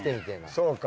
そうか。